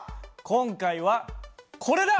今回はこれだ！